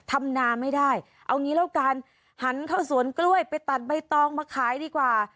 ทำนาไม่ได้เอางี้แล้วกันหันเข้าสวนกล้วยไปตัดใบตองมาขายดีกว่า